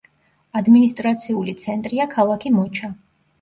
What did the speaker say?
ადმინისტრაციული ცენტრია ქალაქი მოჩა.